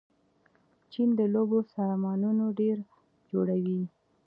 چین د لوبو سامانونه ډېر جوړوي.